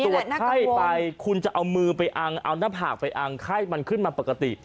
ไข้ไปคุณจะเอามือไปอังเอาหน้าผากไปอังไข้มันขึ้นมาปกติ